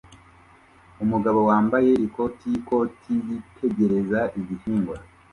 Umugabo wambaye ikoti yikoti yitegereza igihingwa